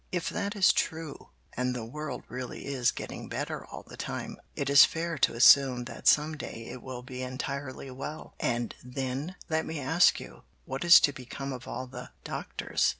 "If that is true, and the world really is getting better all the time, it is fair to assume that some day it will be entirely well, and then, let me ask you, what is to become of all the doctors?